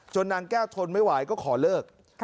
นางแก้วทนไม่ไหวก็ขอเลิก